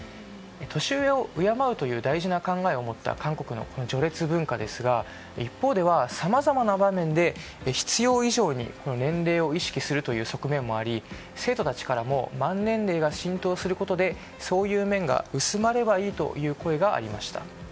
年上を敬うという大事な考え方を持った韓国の序列文化ですが一方ではさまざまな場面で必要以上に年齢を意識するという側面もあり生徒たちからも満年齢が浸透することでそういう面が薄まればいいという声がありました。